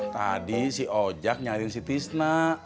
tadi si ojek nyariin si tisna